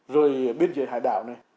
rồi biên giới hải đảo này